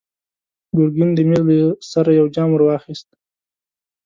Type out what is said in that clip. ګرګين د مېز له سره يو جام ور واخيست.